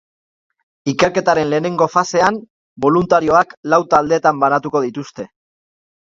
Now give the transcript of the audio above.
Ikerketaren lehenengo fasean, boluntarioak lau taldetan banatuko dituzte.